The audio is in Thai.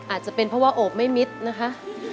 อาจจะเป็นเพราะว่าโอบไม่มิดนะคะ